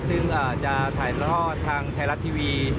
ซึ่งจะถ่ายทอดทางไทยรัฐทีวี